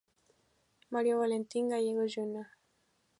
Mario Valentin Gallegos, Jr.